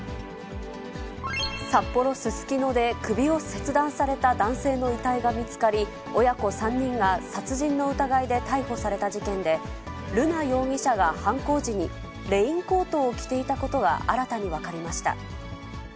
札幌・すすきので首を切断された男性の遺体が見つかり、親子３人が殺人の疑いで逮捕された事件で、瑠奈容疑者が犯行時にレインコートを着ていたことが新たに分かりました。